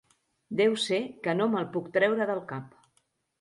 Deu ser que no me'l puc treure del cap.